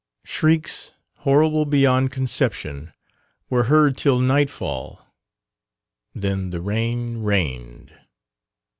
Shrieks, horrible beyond conception, were heard till nightfall then the rain rained.